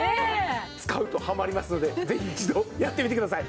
使うとハマりますのでぜひ一度やってみてください。